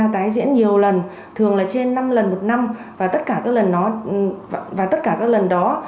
tái diễn nhiều lần thường là trên năm lần một năm và tất cả các lần nó